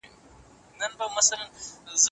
په شمله کې یو ځانګړی کتابتون سته دی.